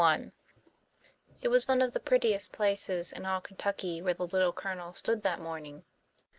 It was one of the prettiest places in all Kentucky where the Little Colonel stood that morning.